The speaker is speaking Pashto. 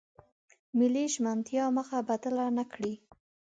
ملي ژمنتیا مخه بدله نکړي.